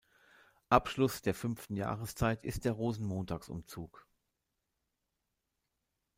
Abschluss der Fünften Jahreszeit ist der Rosenmontagsumzug.